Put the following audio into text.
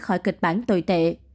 khỏi kịch bản tồi tệ